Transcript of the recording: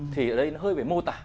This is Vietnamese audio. thì ở đây nó hơi bị mô tả